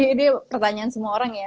ini pertanyaan semua orang ya